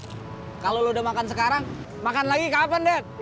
kalau lo udah makan sekarang makan lagi kapan dek